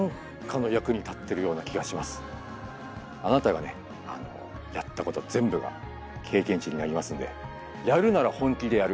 あなたがねやったこと全部が経験値になりますんでやるなら本気でやる。